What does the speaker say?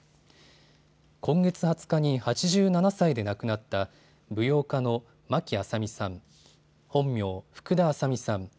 今月２０日に８７歳で亡くなった舞踊家の牧阿佐美さん、本名、福田阿佐美さん。